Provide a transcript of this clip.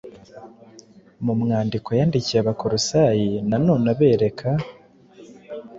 Mu rwandiko yandikiye Abakolosayi na none abereka